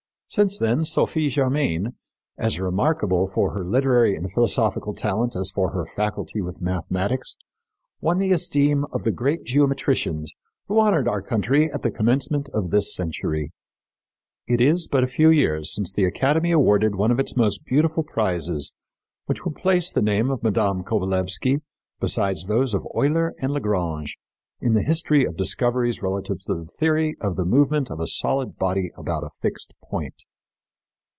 Since then Sophie Germain, as remarkable for her literary and philosophical talent as for her faculty for mathematics, won the esteem of the great geometricians who honored our country at the commencement of this century. It is but a few years since the Academy awarded one of its most beautiful prizes which will place the name of Mme. Kovalévsky beside those of Euler and Lagrange in the history of discoveries relative to the theory of the movement of a solid body about a fixed point....